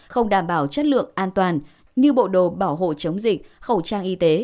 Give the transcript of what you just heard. không đảm bảo chất lượng an toàn như bộ đồ bảo hộ chống dịch khẩu trang y tế